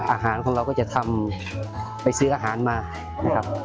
อาหารของเราก็จะทำไปซื้ออาหารมานะครับ